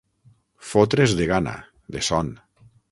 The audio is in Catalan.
Fotre's de gana, de son.